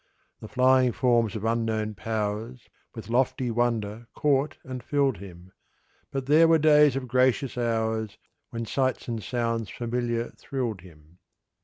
The flying forms of unknown powers With lofty wonder caught and filled him; But there were days of gracious hours When sights and sounds familiar thrilled him.